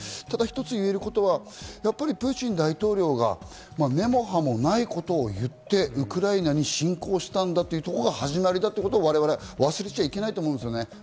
ただ一つ言えるのはプーチン大統領が根も葉もないことを言ってウクライナに侵攻したんだというとこが始まりだということを我々忘れちゃいけないと思うんですよ。